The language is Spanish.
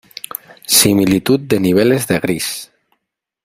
Similitud de niveles de gris.